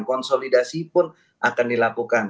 konsolidasi pun akan dilakukan